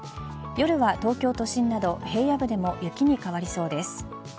夜は東京都心など平野部でも雪に変わりそうです。